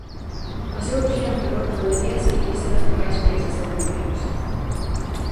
O seu exemplo podería seguirse nos demais países europeos.